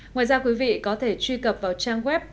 ngoài ra quý vị có thể truy cập vào trang web